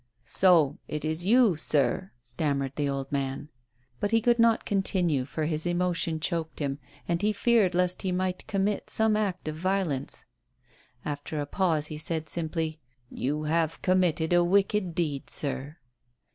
" So it is you, sir," stammered the old man. But he could not continue, for his emotion choked him, and he feared lest he might commit some act of violence. After a pause, he said, simply : "You have committed a wicked deed, sir."